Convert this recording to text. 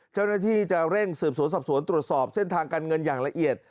เจ้าหน้าที่จะเร่งสืบสวนสอบสวนตรวจสอบเส้นทางการเงินอย่างละเอียด